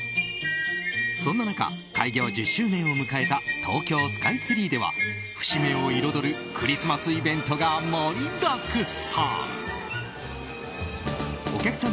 そんな中、開業１０周年を迎えた東京スカイツリーでは節目を彩るクリスマスイベントが盛りだくさん。